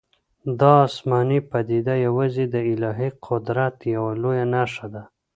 دا آسماني پدیده یوازې د الهي قدرت یوه لویه نښه ده.